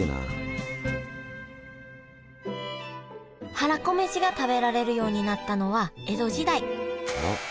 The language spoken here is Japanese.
はらこめしが食べられるようになったのは江戸時代。